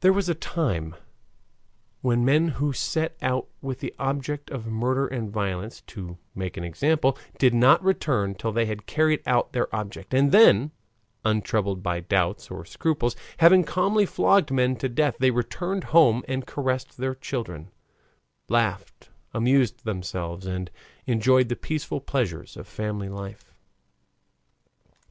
There was a time when men who set out with the object of murder and violence, to make an example, did not return till they had carried out their object, and then, untroubled by doubts or scruples, having calmly flogged men to death, they returned home and caressed their children, laughed, amused themselves, and enjoyed the peaceful pleasures of family life.